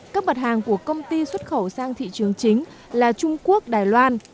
các mặt hàng của công ty xuất khẩu sang thị trường chính là trung quốc đài loan